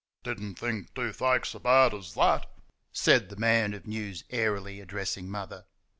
"Did n't think toothache so bad as THAT," said the man of news, airily, addressing Mother.